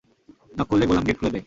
Knock করলে গোলাম gate খুলে দেয়।